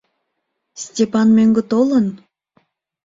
Степан мӧҥгӧ толын?